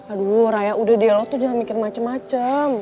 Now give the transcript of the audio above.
aduh raya udah dialog tuh jangan mikir macem macem